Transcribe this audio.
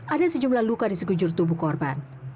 ada sejumlah luka di sekujur tubuh korban